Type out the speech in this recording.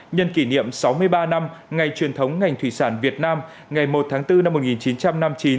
nhân kỷ niệm sáu mươi ba năm ngày truyền thống ngành thủy sản việt nam ngày một tháng bốn năm một nghìn chín trăm năm mươi chín